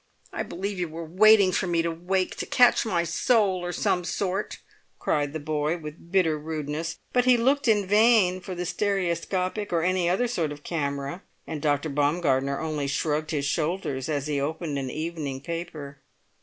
"I believe you were waiting for me to wake—to catch my soul, or some rot!" cried the boy, with bitter rudeness; but he looked in vain for the stereoscopic or any other sort of camera, and Dr. Baumgartner only shrugged his shoulders as he opened an evening paper.